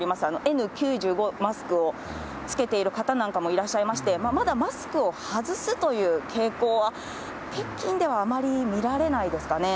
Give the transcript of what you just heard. Ｎ９５マスクを着けている方なんかもいらっしゃいまして、まだマスクを外すという傾向は、北京ではあまり見られないですかね。